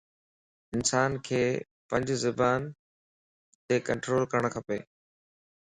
انسان ک پانجي زبان تَ ڪنٽرول ڪرڻ کپ